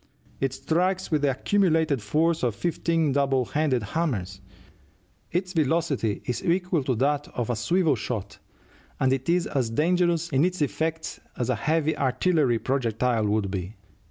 It strikes with the accumulated force of fifteen double handed hammers; its velocity is equal to that of a swivel shot, and it is as dangerous in its effects as a heavy artillery projectile would be.